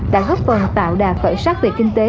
đã góp phần tạo đà khởi sắc về kinh tế